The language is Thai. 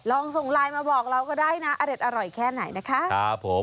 ลองส่งไลน์มาบอกเราก็ได้นะอเด็ดอร่อยแค่ไหนนะคะครับผม